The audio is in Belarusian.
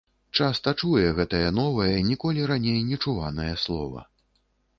Часта чуе гэтае новае, ніколі раней нечуванае слова.